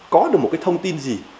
có được một cái thông tin gì